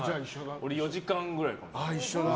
俺、４時間ぐらいです。